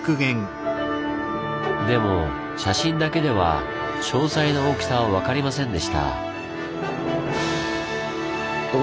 でも写真だけでは詳細な大きさは分かりませんでした。